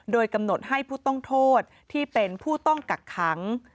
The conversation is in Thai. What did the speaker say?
โดยกำหนดให้ผู้ต้องโทษที่เป็นผู้ต้องกักขัง